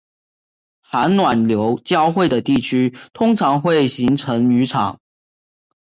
寒暖流交汇的地区通常会形成渔场